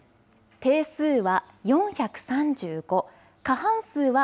定数は４３５。